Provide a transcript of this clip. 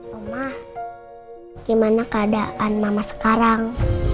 mama gimana keadaan mama sekarang